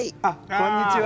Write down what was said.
こんにちは。